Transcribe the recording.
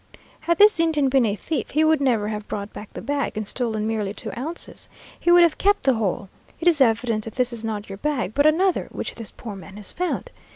Had this Indian been a thief, he would never have brought back the bag, and stolen merely two ounces. He would have kept the whole. It is evident that this is not your bag but another which this poor man has found.